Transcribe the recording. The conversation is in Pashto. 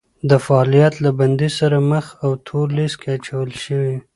د فعالیت له بندیز سره مخ او تور لیست کې اچول شوي